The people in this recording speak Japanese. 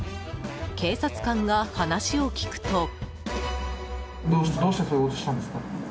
警察官が話を聞くと。